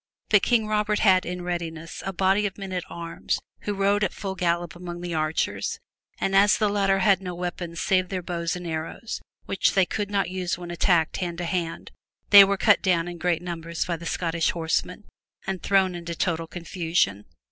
But King Robert had in readiness a body of men at arms who rode at full gallop among the archers and as the latter had no weapons save their bows and arrows which they could not use when attacked hand to hand, they were cut down in great numbers by the Scottish horsemen and thrown into total confusion.